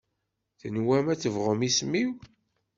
Tenwam ad teɣbum isem-iw.